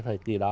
thời kỳ đó